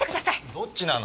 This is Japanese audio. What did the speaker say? どっちなの？